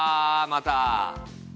また。